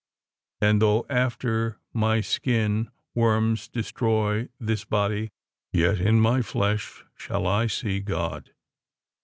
And though after my skin worms destroy this body, yet in my flesh shall I see God.